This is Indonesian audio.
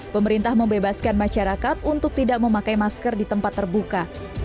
pemerintah membebaskan masyarakat untuk tidak memakai masker di tempat terbuka